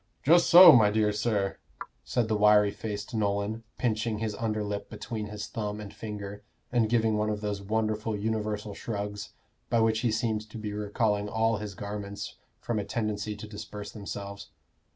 "Just so, my dear sir," said the wiry faced Nolan, pinching his under lip between his thumb and finger, and giving one of those wonderful universal shrugs, by which he seemed to be recalling all his garments from a tendency to disperse themselves.